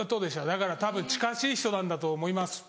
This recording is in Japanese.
だからたぶん近しい人なんだと思います。